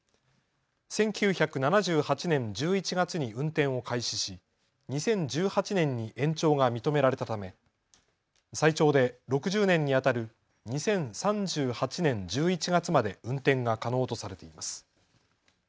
１９７８年１１月に運転を開始し２０１８年に延長が認められたため、最長で６０年にあたる２０３８年１１月まで運転が可能とされています。